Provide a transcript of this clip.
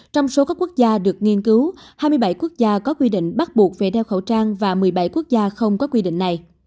trong số các quốc gia được nghiên cứu hai mươi bảy quốc gia có quy định bắt buộc về đeo khẩu trang và một mươi bảy quốc gia không có quy định này